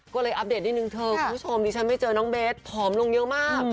ก็เลยอัปเดตนิดนึงเธอคุณผู้ชมดิฉันไม่เจอน้องเบสผอมลงเยอะมาก